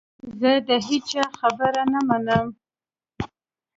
زه د هیچا خبره نه منم .